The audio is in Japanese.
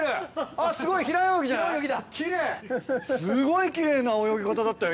すごい奇麗な泳ぎ方だったよ